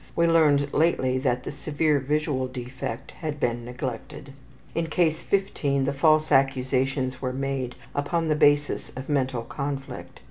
We learned lately that the severe visual defect had been neglected. In Case 15 the false accusations were made upon the basis of mental conflict.